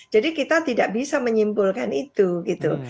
jadi kita tidak bisa menyimpulkan itu gitu